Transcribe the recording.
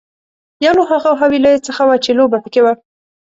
یو له هغو حويليو څخه وه چې لوبه پکې وه.